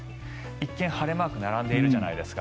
一見、晴れマークが並んでいるじゃないですか。